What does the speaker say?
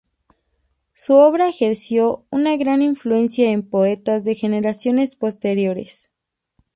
Su obra ejerció una gran influencia en poetas de las generaciones posteriores.